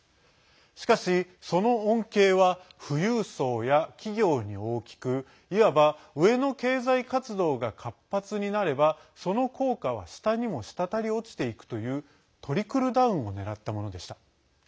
しかし、その恩恵は富裕層や企業に大きくいわば上の経済活動が活発になればその効果は下にも滴り落ちていくというトリクルダウンを狙ったものでした。